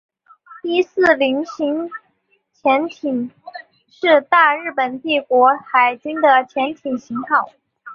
伊四零型潜艇是大日本帝国海军的潜舰型号。